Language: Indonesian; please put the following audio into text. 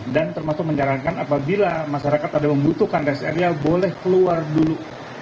dan termasuk menjarankan apabila masyarakat ada yang membutuhkan res area boleh keluar dulu